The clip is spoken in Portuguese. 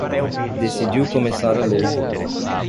Decidiu começar a ler